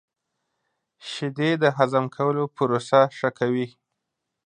• شیدې د هضم کولو پروسه ښه کوي.